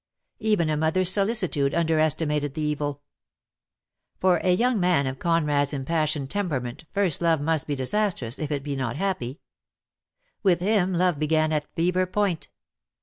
Even a mother's solicitude under estimated the evil. For a young man of Conrad's impassioned temperament first love must be disastrous if it be not happy. With him love began at fever point.